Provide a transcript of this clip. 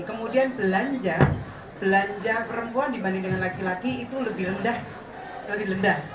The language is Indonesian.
kemudian belanja belanja perempuan dibanding dengan laki laki itu lebih rendah